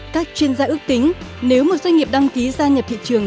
các chuyên gia ước tính nếu một doanh nghiệp đăng ký gia nhập thị trường